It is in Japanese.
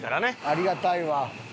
ありがたいわ。